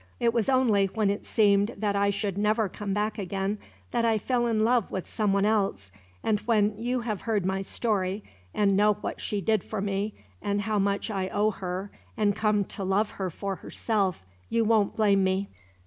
It was only when it seemed that I should never come back again that I fell in love with some one else; and when you have heard my story, and know what she did for me, and how much I owe her, and come to love her for herself, you won't blame me."